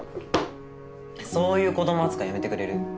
そういう子供扱いやめてくれる？